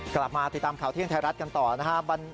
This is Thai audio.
กลับมาติดตามข่าวเที่ยงไทยรัฐกันต่อนะครับ